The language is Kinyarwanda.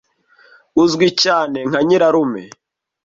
uzwi cyane nka nyirarume